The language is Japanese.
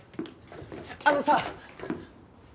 あのさ！